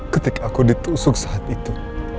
ketika aku ditusuk saat itu